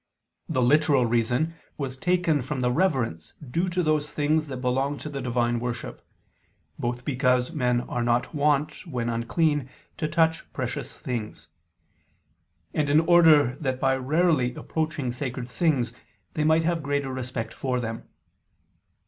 The literal reason was taken from the reverence due to those things that belong to the divine worship: both because men are not wont, when unclean, to touch precious things: and in order that by rarely approaching sacred things they might have greater respect for them.